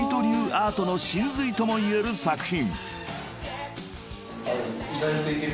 アートの神髄ともいえる作品］